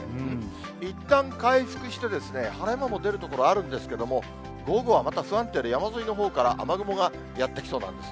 いったん回復して、晴れ間も出る所あるんですけれども、午後はまた不安定で、山沿いのほうから雨雲がやって来そうなんです。